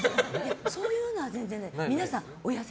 そういうのは全然ない。